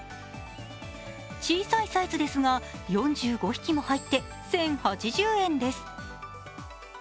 小さいサイズですが、４５匹も入って１０８０円です。